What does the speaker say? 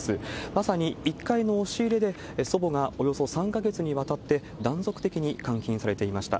まさに１階の押し入れで、祖母がおよそ３か月にわたって断続的に監禁されていました。